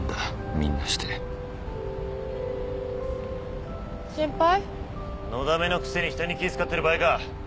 みんなして先輩？のだめのくせに人に気ぃ使ってる場合か！？